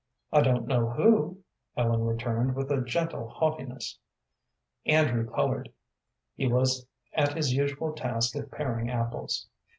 "I don't know who," Ellen returned, with a gentle haughtiness. Andrew colored. He was at his usual task of paring apples.